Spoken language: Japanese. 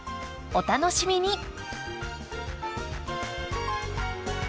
お楽しみに！